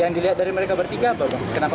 yang dilihat dari mereka bertiga apa